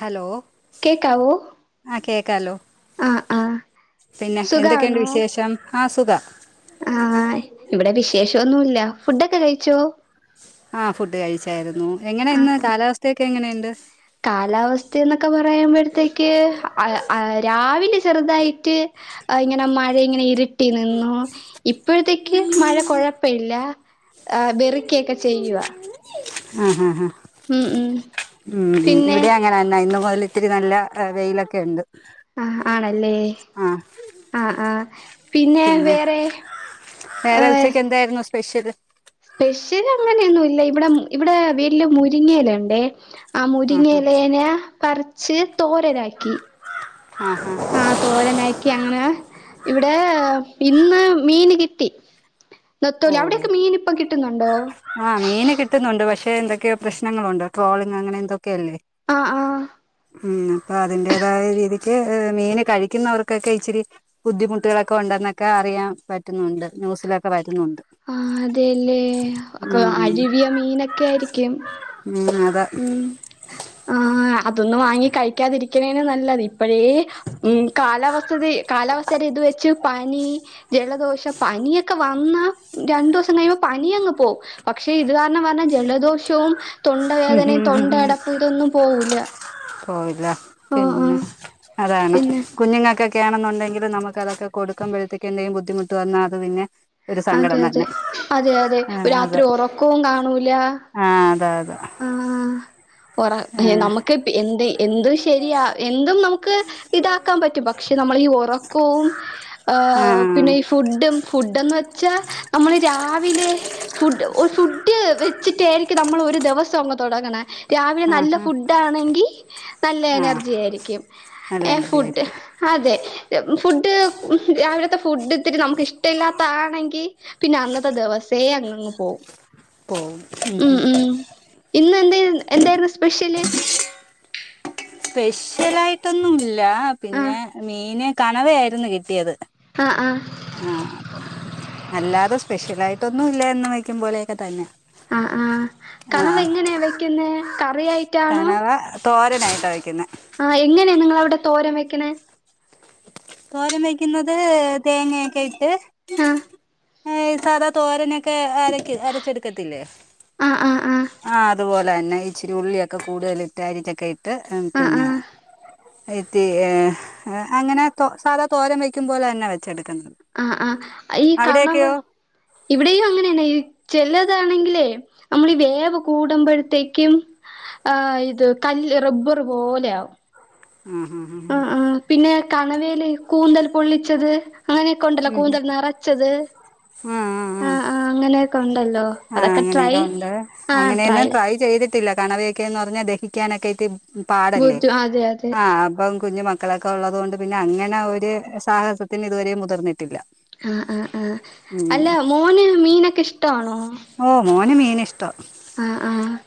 Hello കേക്കാവോ ആ കേക്കാലോ ആഹ് ആഹ് പിന്നെ എന്തൊക്കെയുണ്ട് സുഖാണോ വിശേഷം ആ സുഖ ആഹ് ഇവിടെ വിശേഷംൊന്നുമല്ല ഫുഡൊക്കെ കഴിച്ചോ ആഹ ഫുഡ് കഴിച്ചായിരുന്നു എങ്ങനെ ഇന്ന് കാലാവസ്ഥയൊക്കെ എങ്ങനെയുണ്ട് കാലാവസ്ഥ എന്നൊക്കെ പറയുമ്പോഴത്തേക്ക് രാവിലെ ചെറുതായിട്ട് ആ ഇങ്ങനെ മഴ ഇങ്ങനെ ഇരുട്ടി നിന്നു ഇപ്പോഴത്തേക്ക് മഴ കൊഴപ്പ ഇല്ല ആ വെറുിക്കൊക്കെ ചെയ്യവാ ആ ഹ ഉം പിന്നെ ഇവിടെ അങ്ങനെന്ന ഇന്ന് ഇത്തിരി നല്ല വെയിലൊക്കെ ഉണ്ട് ആഹ് ആണല്ലേ ആ ആഹ് ആഹ പിന്നെ വേറെ വേറെ ഏഹർ ഉച്ചക്ക് എന്തായിരുന്നു സ്പെഷ്യൽ സ്പെഷ്യൽ അങ്ങനെയൊന്നുംല്ല ഇവിടെ ഇവിടെ വീട്ടില് മുരിങ്ങലുണ്ടേ ആ മുരിങ്ങലേന പറിച്ച് തോരരാാക്കി ആ ഹാ ആ തോരനാക്കി അങ്ങ് ഇവിടെ ഇന്ന് മീൻ കി ട്ടി ഓ നത്തോലി അവിടെയൊക്കെ മീൻപ്പം കിട്ടുന്നുണ്ടോ ആ മീന് കിട്ടുന്നുണ്ട് പക്ഷെ എന്തൊക്കെ പ്രശ്നങ്ങളുണ്ട് ട്രോളിംഗ് അങ്ങനെ എന്തോക്കെയല്ലേ ആ ആ ഉം അപ്പൊ അതിന്റേതായ രീതിക്ക് മീൻ കഴിക്കുന്നവർക്കൊക്കെ ഇച്ചിരി ബുദ്ധിമുട്ടുകളൊക്കെ ഉണ്ട നൊക്കെ അറിയൻ പറ്റുന്നുണ്ട് ന്യൂസിലൊക്കെ വ ആഹ് അതെല്ലേ ഒക്ക ഉം അഴിവിയ മീനൊക്കെ ആയിരിക്കും അ ആ അതൊന്നും വാങ്ങി കഴിക്കാതിരിക്കണേണ് നല്ലത് അപ്പഴേ ഉം കാലാവസ്ഥ കാലാവസ്ഥടെ ഇത് വെച്ച് പനി ജലദോഷം പനിയൊക്കെ വന്ന രണ്ടു ദിവസം കഴിയുമ്പോ പനി അങ്ങ് പോകും പക്ഷെ ഇത് കാരണം വര്ണ ജലദോഷവും വേദനയും തൊണ്ട അടപ്പ്‌ ഇതൊന്നും പോവൂല്ല പോയില്ല പിന്നെ അതാണ് പിന്നെ കുഞ്ഞുങ്ങൾക്ക് ക്ക്യാണെന്നുണ്ടെങ്കില് നമുക്ക് അതൊക്ക കൊടുകുമ്പഴത്തേക് എന്തെയും ബുദ്ധിമുട്ട് വന്നാൽ അത് പിന്നെ ഒരു അതെ സങ്കടം അതെ തന്നെ അതെ അതെ ആ അത രാത്രി ഒറക്കവും കാണൂല ആ അതാ ഓറ നമുക്ക് എന്ത് എന്ത ശരിയാ എന്തും നമുക്ക് ഇതാക്കാൻ പറ്റും പക്ഷെ നമ്മ മളെ ഇ ഉറക്കവും ആ ഏഹ് പിന്നെ ഫുഡ്ഡും ഫുഡ്ഡന്ന് വെച്ചാ നമ്മള് രാ രാവിലെ ഫുഡ് ഫുഡ് വെച്ചിട്ടായിരിക്കും നമ്മൾ ഒരു ദിവസം അങ്ങ് തൊടങ്ങണ രാവിലെ ആ നല്ല ഫുഡ് ആണെങ്കിൽ നല്ല ആ ആ എനർജി ആയിരിക്കും. നല്ല ഏഹ് എനർജി ഫുഡ് ആയിരിക്കും അതെ ഫുഡ് അവിടത്തെ ഫുഡ് ഇത്തിരി നമുക്ക് ഇഷ്ടല്ലാത്ത ആണെങ്കിൽ പിന്നെ അന്നത്തെ ദിവസേ അങ്ങ്ങ് പോകും പ്പോ മ് മ് ഇന്ന് എന്തായിര്ന് എന്തായിരുന്നു സ്പെഷ്യല് സ്പെഷ്യൽ ആയിട്ടൊന്നുംല്ല ആഹ് പിന്നെ മീന് കണവയായിരുന്നു കിട്ടിയത് ആഹ് ആഹ് ആ അപ്പം അല്ലാതെ സ്പെഷ്യൽ ആയിട്ടൊന്നും ഇല്ല എന്നും വെക്കുമ്പോലെയൊക്കെ തന്നെയ ആ ആ കണവ എങ്ങനെയാ വെക്കുന്ന കറിയായിട്ടാണോ തോരനായിട്ട് വയ്ക്കുന്ന ആഹ് എങ്ങനെയാ നിങ്ങൾ അവിടെ തോരൻ വെക്ക്ണേ തോരം വെക്കുന്നത് തേങ്ങൊക്കെ ഇട്ട് ആഹ് സാധാ തോരനൊക്കെ അരക്ക അരച്ചെടുക്കത്തില്ലേ ആഹ് ആഹ് ആഹ് ആ അതുപോലെന്നെ ഇച്ചിരി ഉള്ളിയൊക്കെ കൂടുതലിട്ട് അരിച്ചൊക്കെ ഇട്ട് പിന്നെ ആഹ് റ്റി അങ്ങനെ തോ സാധാ തോരൻ വയ്ക്കുമ്പോലെ തന്നെ വെച്ചെടു ആ ആ ഈ കണവ ഇവിടെയും അങ്ങനെയാണ് ചില താണെങ്കിലേ നമ്മളീ വേവ് കൂടുമ്പോഴത്തേക്കും ആ ഇത് കല്ല് റബ്ബർ പോലെ ആവും ആ ഉം കണവേൽേ കൂന്തൽ പൊള്ളിച്ചത് അങ്ങനെയൊക്കെ ഉണ്ടല്ലോ ഉം, ഉം. കൂന്തൽ നിറച്ചത് ആ ആ അങ്ങനെയൊക്കെ ഉണ്ടല്ലോ ആ ആ അതൊക്കെ ട്രൈ അങ്ങനെയൊക്കെ ആ ട്രൈ കണവൊക്കെന്ന് പറഞ്ഞാ ദഹിക്കാനൊക്കെ ആയിട്ട് പാടല്ലേ. ബുദ്ധു അതെ അതെ ആഹ് അപ്പം കുഞ്ഞു മക്കളൊക്കെ ഉള്ളത് കൊണ്ട് പിന്നെ അങ്ങനെ ഒരു സാഹസത്തിന് ഇതുവരെ മുതിർന്ന ആ ആഹ ആ അല്ല മോന് മീനൊക്കെ ഇഷ്ടമാണോ ഓ മോന് മീൻ ഇഷ്ട ആ ആ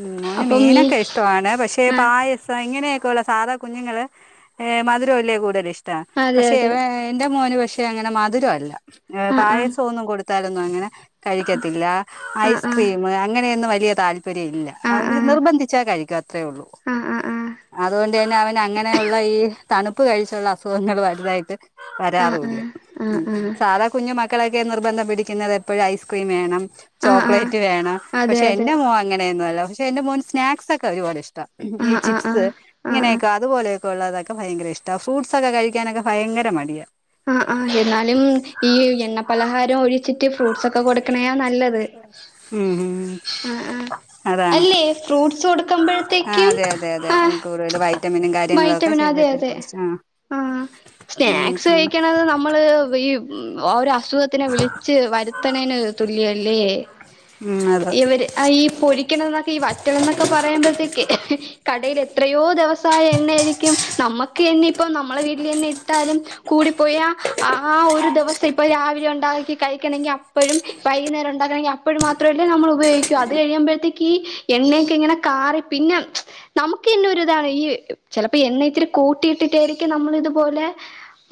ഉം മോന് മീനൊക്കെ ഇഷ്ടമാണ് പക്ഷെ ആഹ് പായസം ഇങ്ങനെയെ സാധാ കുഞ്ഞുങ്ങൾ മധുരമല്ലെ കൂടുതൽ ഇഷ്ട്ടം അതെ പക്ഷെ അതെ ഇവ എന്റെ മോന് പക്ഷെ അങ്ങനെ മധുരമല്ല ആഹ് ആഹ് പായസമൊന്നും കൊടുത്താലൊന്നും അങ്ങനെ കഴിക്കത്തില്ല ആഹ് ഐസ്ക്രീം ആഹ് അങ്ങനെയൊന്ന് വലിയ താല് പര്യല്ല അവര് ആഹ് നിർബന്ധിച്ചാ കഴിക്ക അത്രേ ഉള്ളൂ ആഹ് ആഹ് ആഹ് അതൊണ്ട് എ അവൻ അങ്ങനെയുള്ള ഈ തണുപ്പ് കഴിച്ചുള്ള അസുഖങ്ങൾ വലുതായിട്ട് ആഹ് ആഹ് വരാറുമില്ല ആഹ് ആഹ് ഉം. ആഹ് സാധാ കുഞ്ഞു മക്കളൊക്കെ നിർബന്ധം പിടിക്കുന്നത് എപ്പോഴും ഐസ്ക്രീം വേണം ആഹ് ആഹ് ചോക്ലേറ്റ് വേണം. അതെ പക്ഷെ അതെ എന്റെ മോൻ അങ്ങനെയൊന്നുമല്ല പക്ഷെ എന്റെ മോന് സ്നാക്സ് ഒക്കെ ഒരുപാട് ഇഷ്ടം ഈ ആഹ് ആഹ് ചിപ്സ് ആഹ് ആഹ് ആഹ് ഇങ്ങനെയൊക്കെ അതുപോലെയൊക്കെ ഉള്ളതൊക്കെ ഭയങ്കരഇഷ്ട. ഫ്രൂട്ട്സ് ഒക്കെ കഴിക്കാനൊക്കെ ഭയങ്കര മടിയാണ്. ആ ആ എന്നാലും ഈ എണ്ണ പലഹാരം ഒഴിച്ചിട്ട് ഫ്രൂട്ട്സ് ഒക്കെ കൊടുക്കണയാ നല്ലത്. ഉം ഉം ആ ആ അതാണ് അല്ലേ ഫ്രൂസ് ആ കൊടുക്കുമ്പോഴത്തേക്കും അതെ അതെ അതെ ആ കൂടുതൽ വൈറ്റമിനും വയ [unintelligible] കുറച്ച് ആ സ്നാക്ക് ഉം മിക്സ് പിന്നെ കഴിക്കണത് നമ്മള് ഈഓ അസുഖത്തിനെ വിളിച്ച് വരുത്തണേന് തുല്യ ല്ല ഉം അതെ ഇവര് ഈ പൊരിക്കണതൊക്കെ ഈ വറ്റ ലൊക്കെപറയുമ്പോഴത്തേക്ക് കട എത്രയോ ദിവസായ എണ്ണ ആയിരിക്കും നമ്മക്ക് എന്നെ ഇപ്പൊ നമ്മളെ വീട്ടിൽ തന്നെ ഇട്ടാലും കൂടിപ്പോഴാ ആ ഒരു ദിവസം ഇപ്പൊ രാവിലെ ഉണ്ടാക്കി കഴിക്കണമെങ്കിൽ അപ്പോഴും വൈകുന്നേരം ഉണ്ടാക്ക അപ്പോഴ മാത്രല്ലേ നമ്മൾ ഉപയോഗിക്കൂ അത് കഴിയുമ്പോഴത്തേക്ക് ഈ എണ്ണയൊക്കെ ഇങ്ങനെ കാറി പിന്നെ നമുക്ക് തന്നെ ഒരു ഇതാണ് ഈ ചിലപ്പോ എണ്ണ ഇത്തിരി കൂട്ടിയിട്ടിട്ടായിരിക്കും നമ്മൾ ഇതുപോലെ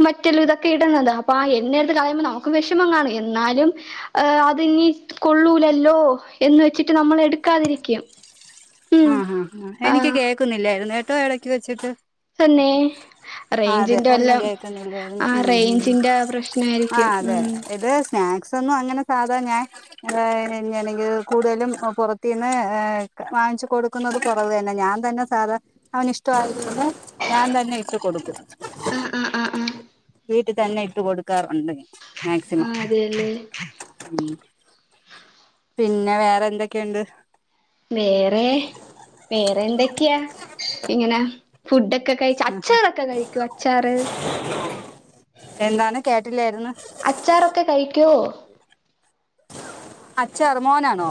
വറ്റലും ഇതൊക്കെ ഇടുന്നത് അപ്പൊ ആ എണ്ണ എടുത്ത് കളയുമ്പോൾ നമുക്ക് വിഷമം കാണും. എന്നാലും ഹ് അത് ഇനി കൊള്ളൂലല്ലോ. എന്ന് വെച്ചിട്ട് നമ്മൾ എടുക്കാതിരിക്കും. ആ ഉം ആ എനിക്ക് ആഹ് കേൾക്കുന്നില്ലായിരുന്നു കേട്ടോ ഇടക്ക് വെച്ചിട്ട്. തന്നെ. ആഹ് അതെ റെയ്ഞ്ചിന്റെ ഒന്നും വല്ലോംആ കേൾക്കുന്നില്ലായിരുന്നു റേഞ്ചിന്റെ പ്രശ്നമായിരിക്കും. ഉം. സ്നാക്സൊന്നും അങ്ങനെ സാധാ ഞാൻ പിന്നാണെങ്കിൽ കൂടുതലും പുറത്തിന്ന് വാങ്ങിച്ചു കൊടുക്കുന്നത് കുറവു തന്നെ. ഞാൻ തന്നെ സാധാ അവന് ഇഷ്ട ഞാൻ തന്നെ ഇട്ടു കൊടുക്കും. ആഹ് ആഹ് ആഹ് ആഹ് വീട്ടിൽ തന്നെ ഇട്ട് കൊടുക്കാറുണ്ട്. ആ മാക്സിമം അതെയല്ലേ? ഉം പിന്നെ വേറെ എന്തൊക്കെയുണ്ട്? വേറെ ഫുഡ് കഴിച്ച അച്ചാറൊക്കെ കഴിക്കുവോ അച്ചാറ്? എന്താണ് കേട്ടില്ലായിരുന്നു അച്ചാറൊക്കെ കഴിക്കോ? അച്ചാർ, മോനാണോ?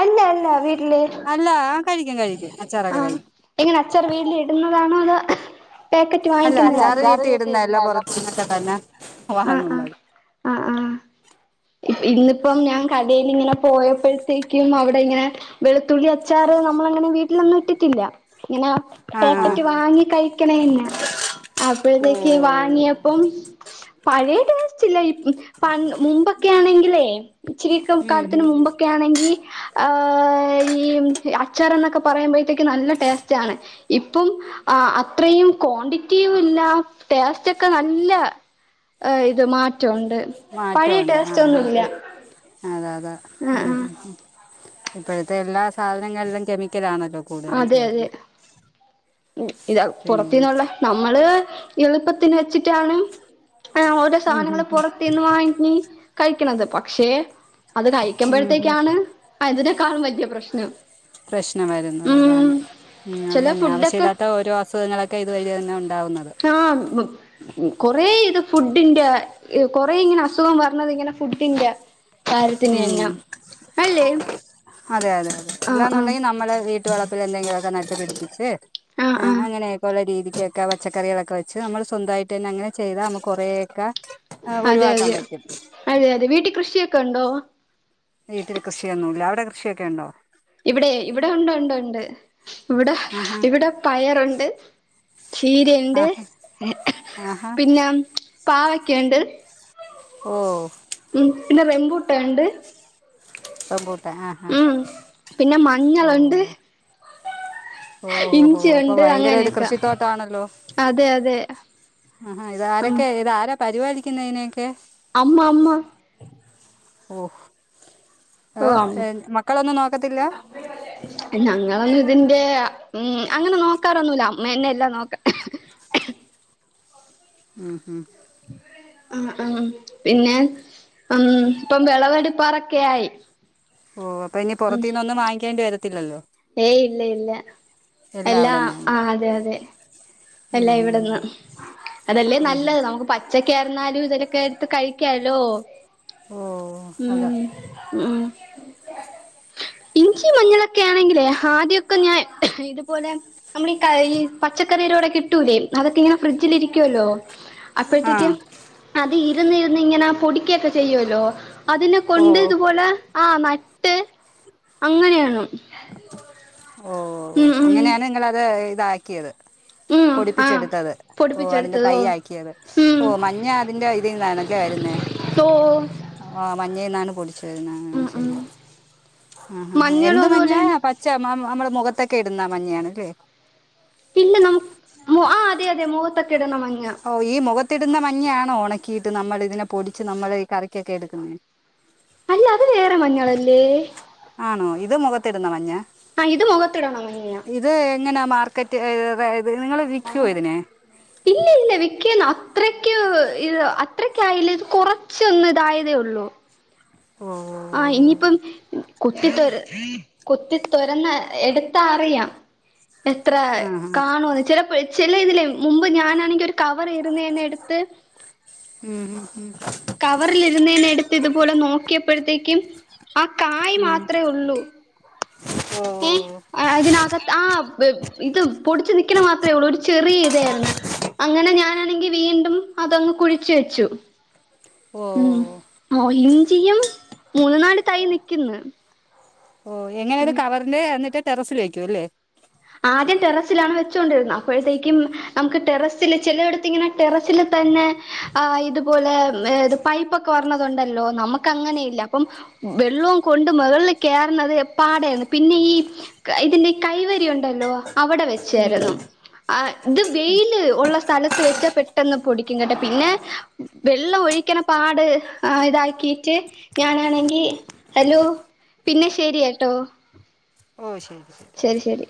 അല്ല അല്ല വീട്ടില്? അല്ല കഴിക്കും കഴിക്കും. ആ അച്ചാറൊക്കെ കഴിക്കും എങ്ങനെ അച്ചർ വീട്ടിലി ടുന്നതാണോ അതോ? പാക്കറ്റ് അല്ല അച്ചാറ് വാങ്ങിക്കുന്നതാണോ? വീട്ടി ഇടുന്നതല്ല പുറത്തുനിന്നൊക്കെ തന്നെ ആ ആ വാങ്ങുന്നത് ആ ആഇന്നിപ്പം ഞാൻ യിൽ ഇങ്ങനെ പോയപ്പോഴത്തേക്കും അവിടെ ഇങ്ങനെ വെളുത്തുള്ളി അച്ചാറ് നമ്മളങ്ങനെ വി ലൊന്നും ഇട്ടിട്ടില്ല. ഇങ്ങനെ ആഹ് പാക്കറ്റ് വാങ്ങി കഴിക്കണ തന്നെ. ഓ അപ്പോഴത്തേക്ക് വാങ്ങിയപ്പം പഴയ ടേസ്റ്റില്ല. ഇ പ മുമ്പൊക്കെ ആണെങ്കിലേ ഇച്ചിരി ഉം കാലത്തിന് ഉം മുമ്പൊക്കെ ആണെങ്കി ആ ഈ അച്ചറന്നെക്കെ പറയുമ്പോഴത്തേക്കും നല്ല ടേസ്റ്റ് ആണ്. ഇപ്പം അത്രയും ക്വാണ്ടിറ്റിയും ഇല്ല. ടേസ്റ്റ് ഒക്കെ നല്ല ഇത് മാറ്റമുണ്ട്. പഴയ മാറ്റമുണ്ട് ടേസ്റ്റ് ആഹ് ഒന്നുമില്ല. ആഹ് ആഹ് അതെ അതെ ആഹ് ആഹ് ഇപ്പോഴത്തെ എല്ലാ സാധനങ്ങളിലും കെമിക്കലാണല്ലോ? അതെ അതെ കൂടുതലുംചേരുന്നത്. ഇതാ പുറത്തുന്നിള്ളേ നമ്മള് ഇളപ്പ ത്തിന് വെച്ചിട്ടാണ് ഓരോ ഉം സാധനങ്ങള് ഉം പുറത്തുനിന്ന് വാങ്ങിക്കും കഴ ക്കണത്. പക്ഷേ അത് ഉം ഉം ഉം കഴിക്കുമ്പോഴത്തേക്കാണ് അതിനേക്കാളും വലിയ പ്രശ്നം. ഫ്രഷ് അ വരുന്നത് അതാണ് ഉം മം ചില അതെന്നെ ഫുഡൊക്കെ ആവശ്യല്ലാത്ത ഓരോ അസുഖങ്ങളൊക്കെ ഇത് വഴി തന്നെ ഉണ്ടാകുന്നത് ഉം കൊറേ ഇത് ഫുഡിന്റെ കൊറെ ഇങ്ങനെ അസുഖം വരന്നത് ഇങ്ങനെ ഫുഡിന്റെ താരത്തിന് എന്നം ഉം അല്ലേ ആഹ് ആഹ് ഇല്ലന്നുണ്ടെങ്കിൽ നമ്മൾ വീട്ട് വളപ്പിലെ ന്തെങ്കിലൊക്കെ നട്ട് പിടിപ്പിച് ആഹ് ആഹ് അങ്ങനെഒകെയുള്ള രീതി യൊക്കെ പച്ചക്കറികളൊക്കെ വച്ച് നമ്മള് സ്വന്തമായിട്ട്ന്നെ അങ്ങനെ ചെയ്താ നമ്മകൊറേക അതെ അതെ അതെ അതെ വീട്ടി കൃഷിയൊക്കെ ഉണ്ടോ വൃഷിയൊക്കെ ഉണ്ടോ ഇവിടെ ഇവിടെ ഉണ്ട് ഉണ്ട് ഉണ്ട് ഇവിടെ ഹ്‌ ആഹാ ഇവിടെ പയറുണ്ട് ചീരെണ്ട് ആഹാ എ ഹ് ആഹാ പിന്നേം പാവകേണ്ട് ഓ ഉം പിന്നെ റെംബുട്ടൻ ഉണ്ട് റംബൂട്ടാൻ ആഹാ ഉം പിന്നെ മഞ്ഞളുണ്ട് ഓഹോ ഹോ അപ്പൊ ഇഞ്ചിയുണ്ട് ഭയങ്കര ഒരു അങ്ങനെയൊക്കെ കൃഷിത്തോട്ടണല്ലോ അതെ അതെ ആഹാ ഇത് ഉം ആാരൊക്കെ ഇത് ആാര പരിപാലിക്കുന്ന ഇതിനൊക്കെ അമ്മ അമ്മ ഓഹ് ഓഅം ഞങ്ങളൊരുതിന്റെ ഉം അങ്ങനെ നോക്കാറൊന്നുല അമ്മന്നെ എല്ലാം നോക്ക ഉം ഉം ആ ആം പിന്നെ ഉം ഇപ്പം വിളവെടുപ്പാറൊക്കെ ആയി ഓ അപ്പ ഇനി ഉം പൊറത്തീന്ന് ഒന്നും വാങ്ങിക്കേണ്ടി വരത്തില്ലല്ലോ ഏയ് ഇല്ല ഇല്ല എല്ലാം എല്ലാ അവിടെന്ന് തന്നെ അ അതെ അതെ അല്ല ഉം ഇവിടെന്ന് അതല്ലേ ഉം നല്ലത് നമുക്ക് പച്ച ഏന്തൊക്കെരിന്നാലും ഇതോക്കെ കേ എടുത്ത് കഴിക്കാലോ ഓ ഉം അതാ ഉം ഇഞ്ചി മഞ്ഞളൊക്കെ ആണെങ്കിലേ ആദ്യൊക്കെ ഞാ ഇതുപോലെ നമ്മളീക്ക ഈ പച്ചക്കറയിടെ കിട്ടൂലേ അതൊക്കെ ഇങ്ങെനെ ഫ്രിഡ്ജിലിരി ക്കുല്ലോ ആ അപ്പോഴത്തേക്ക് അത് ഇരുന്നു ഇരുന്നു ഇങ്ങനെ പൊടിക്കൊക്കെ ചെയ്യോല്ലോ അതിനെ ഓ കൊണ്ട് ഇതുപോലെ ആ്മ ഇട്ട് അങ്ങനആണൊ ഓ അങ്ങനെയാണ് നിങ്ങളത് ഇതാക്കിയത് ഉം ആഹ് പൊടിപ്പിച്ചെടുത്തത് ഓ അതിന്റെ തൈ പൊടിപ്പിച്ചെടുത്തതോ യാക്കിയത് ഉം ഓ മഞ്ഞ അതിന്റെ ഇതിൽ നിന്നണല്ലേ വരുന്നേ തോ ആ മഞ്ഞെന്നാണ് ആ ആ ഉം ഉം ശരി ആആ മഞ്ഞളും എന്ത് മഞ്ഞാ അതുപോലെയാണ് പച്ച ആം നമ്മൾ മുഖത്തൊക്കെ ഇടുന്ന മഞ്ഞയാണ് ലേ ഇല്ലന്നുആ അതെ അതെ മുഖത്ത് ഒകെ ഇടുന്ന മഞ്ഞ കത്തിടുന്ന മഞ്ഞ ആണോ ഉണക്കിയിട്ട് നമ്മൾ ഇതിനെ പൊടിച്ച് നമ്മള് ഈ കറിക്കൊക്കെ എടുക്കുന്നെ അല്ല അത് വേറെ മഞ്ഞളല്ലേ ആണോ ഇത് മുഖത്തിടുന്ന മഞ്ഞ അ ഇത് മുഖത്തിടണ മഞ്ഞ ഇത് എങ്ങനാ മാർക്കറ്റ് നിങ്ങൾ വിക്കുവോ ഇതിനെ വികൊന്ന് അത്രയ്ക്ക്ഹ് അത്രക്കായില്ല ഇത് കൊറചോന്ന് ഇതായതേ ഉള്ളു ആ ഇനിയിപ്പം കൊത്തിത്തൊര കൊത്തിത്തൊര എറന്ന എടുത്ത അറിയാഎത്ര ആ ഉം കാണോ ചെല ചില ഇതിലെ മുമ്പ് ഞാനാണെങ്കി ഒരു കവറിരുന്ന ഞാൻ എടുത്ത് കവറിലിരുന്നേന എടുത്ത് ഇതുപോലെ നോക്കിയപ്പോഴത്തേക്കും ആ കായ് ഉം മാത്രേ ഉള്ളൂ ഓ ഏ അതിനകത്ത് ആ ഇത് പൊടിച്ചു നിക്കണ മാത്രേ ഉള്ളൂ ഒരു ചെറിയ ഇതായിരുന്നു അങ്ങനെ ഞാനാണെങ്കി വീണ്ടും അതങ്ങ് കുഴിച്ചു വെച്ചു ഓ ഉം മോ ഇഞ്ചിയും മൂന്നു നാട് തൈ നിക്കുന്നു ഓ എങ്ങനെയാ ഇത് കവറില് എന്നിട്ട് ടെറസില് വയ്ക്കുല്ലേ [unintelligible] അപ്പഴത്തേക്കും നമുക്ക് ടെറസില് ചെലടത്ത് ഇങ്ങനെ ടെറസില് തന്നെ ആ ഇതുപോ ലൊ പൈപ്പൊക്കെ വർണത്ണ്ടല്ലോ നമുക്കങ്ങനെയില്ല അപ്പം വെള്ളവും കൊണ്ട് മുകള കേറുന്നത് പാടായിരുന്നു പിന്നെ ഈ ഇതിന്റെ കൈവരി ഉ ണ്ടല്ലൊ അവിടെ ഉം വെച്ചാരുന്നു ആ ഇത് വെയില് ഒള്ള സ് വെച്ച പെട്ടെന്ന് പൊടിക്കും കേട്ട പിന്നെ വെള്ളം ഒഴിക്കണ പാട് ഇതാക്കിട്ട് ഞാനാണെങ്കി ഹലോ പിന്നെ ശെരിയട്ടോ ഓ ശരി ശരി ശരി